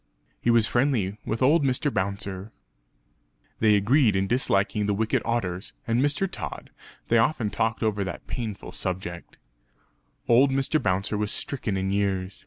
He was friendly with old Mr. Bouncer; they agreed in disliking the wicked otters and Mr. Tod; they often talked over that painful subject. Old Mr. Bouncer was stricken in years.